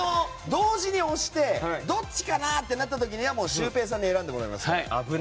同時に押してどっちかな？ってなった時にはシュウペイさんに選んでもらいます。